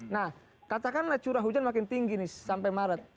nah katakanlah curah hujan makin tinggi nih sampai maret